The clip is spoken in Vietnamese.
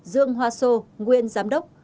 dương hoa sô nguyên giám đốc